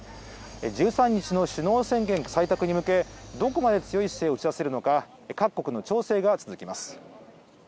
１３日の首脳宣言採択に向け、どこまで強い姿勢を打ち出せるのか、各国の調整が続きます。